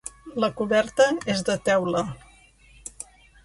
La coberta és de teula.